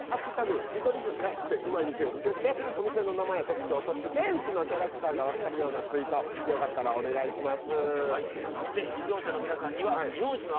見取り図安くてウマい店」を付けてお店の名前や特徴、店主のキャラクターが分かるようなツイートをよかったらお願いします。